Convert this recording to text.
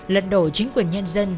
lật đổ chính quyền nhân dân